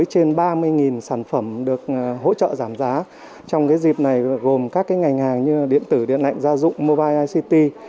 các sản phẩm được hỗ trợ giảm giá trong cái dịp này gồm các cái ngành hàng như điện tử điện lạnh gia dụng mobile ict